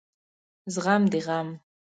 زغم د غم